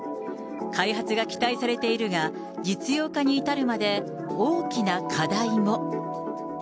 開発が期待されているが、実用化に至るまで大きな課題も。